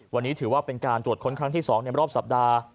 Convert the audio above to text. วันนี้ถือว่าเป็นการตรวจค้นครั้งที่๒ในรอบสัปดาห์